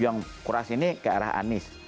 ya yang kuras ini ke arah anis